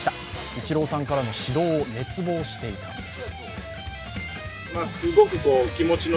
イチローさんからの指導を熱望していたんです。